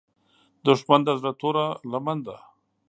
دښمن د زړه توره لمن ده